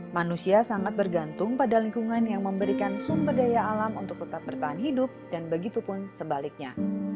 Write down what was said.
manusia sangat bergantung pada lingkungan yang memberikan sumber daya alam untuk tetap bertahan hidup dan begitu pun sebaliknya